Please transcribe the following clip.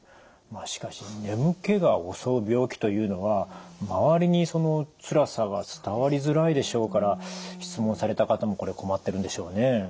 しかし眠気が襲う病気というのは周りにつらさが伝わりづらいでしょうから質問された方もこれ困ってるんでしょうね。